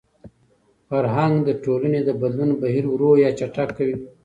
فرهنګ د ټولني د بدلون بهیر ورو يا چټک کوي.